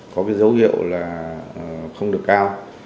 có dấu hiệu là không được cao